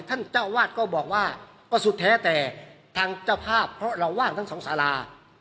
ท่านเจ้าวาดก็บอกว่าก็สุดแท้แต่ทางเจ้าภาพเพราะเราว่างทั้งสองสารา